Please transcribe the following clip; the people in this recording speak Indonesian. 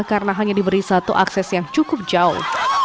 karena hanya diberi satu akses yang cukup jauh